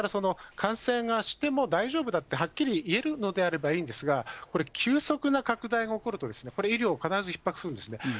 ですから、感染が、しても大丈夫だってはっきり言えるのであればいいんですが、これ、急速な拡大が起こると、これ、医療、必ずひっ迫するんですね。